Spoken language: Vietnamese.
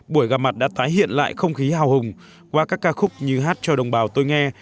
buổi gặp mặt đã tái hiện lại không khí hào hùng qua các ca khúc như hát cho đồng bào tôi nghe